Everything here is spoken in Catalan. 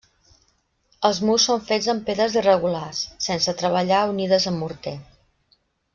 Els murs són fets amb pedres irregulars, sense treballar unides amb morter.